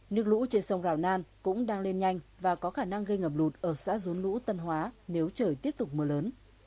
nước lũ trên sông rào nam cũng đang lên nhanh và có khả năng gây ngập lụt ở xã dốn lũ tân hóa nếu trời tiếp tục mưa lớn